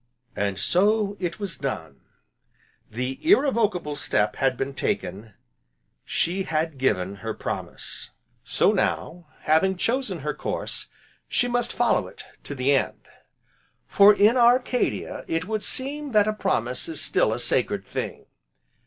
And so it was done, the irrevocable step had been taken; she had given her promise! So now, having chosen her course, she must follow it to the end. For, in Arcadia, it would seem that a promise is still a sacred thing.